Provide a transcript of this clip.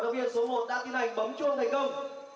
vâng như vậy là đã phá khóa thành công